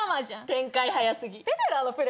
展開早過ぎ。